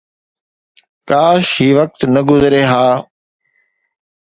ڪاش هي وقت نه گذري ها